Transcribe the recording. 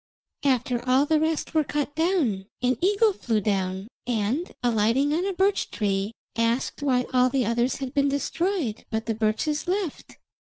After all the rest were cut down an eagle flew down, and, alighting on a birch tree, asked why all the others had been destroyed, but the birches left.